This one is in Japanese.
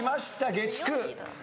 月９。